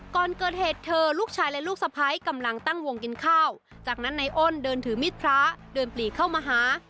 ก่อนเกิดเหตุเธอลูกชายและลูกสะพ้ายกำลังตั้งวงกินข้าวจากนั้นนายอ้นเดินถือมิดพระเดินปลีกเข้ามาหา